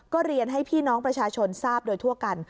ก็เรียนให้พี่น้องประชาชนทราบโดยทั่วกัน